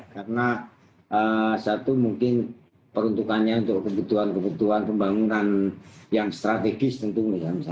karena satu mungkin peruntukannya untuk kebutuhan kebutuhan pembangunan yang strategis tentunya